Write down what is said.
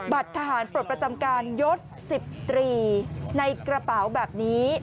บัตรทหารปรดประจำการยดสิบตรีในกระเป๋าแบบนี้